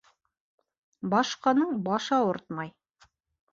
Башҡаның башы ауыртмай.